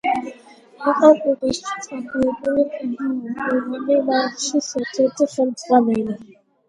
იყო ყუბანში წარმოებული „ყინულოვანი მარშის“ ერთ-ერთი ხელმძღვანელი.